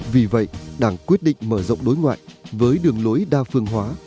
vì vậy đảng quyết định mở rộng đối ngoại với đường lối đa phương hóa